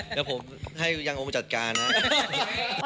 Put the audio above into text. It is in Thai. เดี๋ยวผมให้ยังองค์จัดการครับ